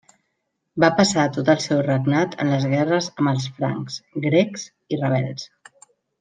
Va passar tot el seu regnat en les guerres amb els francs, grecs, i rebels.